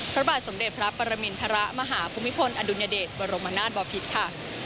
พระบาทสมเด็จพระปรมินทรมาหาภูมิพลอดุลยเดชบรมนาศบอพิษค่ะ